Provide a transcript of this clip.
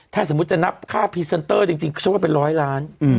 ถ้าสมมุติจะนับค่าพรีเซนเตอร์จริงฉันว่าเป็นร้อยล้าน